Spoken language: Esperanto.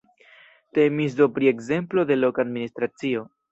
Temis do pri ekzemplo de loka administracio.